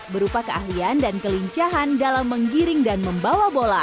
berupa keahlian yang bisa dipelajari untuk mengembangkan bola